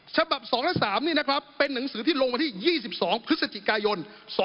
ฉบับ๒และ๓นี่นะครับเป็นหนังสือที่ลงวันที่๒๒พฤศจิกายน๒๕๖